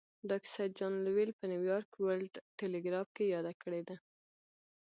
دا کيسه جان لويل په نيويارک ورلډ ټيليګراف کې ياده کړې ده.